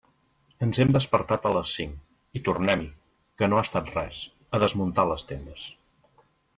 Ens hem despertat a les cinc, i tornem-hi, que no ha estat res, a desmuntar les tendes.